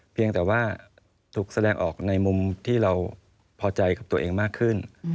เพียงแต่ว่าถูกแสดงออกในมุมที่เราพอใจกับตัวเองมากขึ้น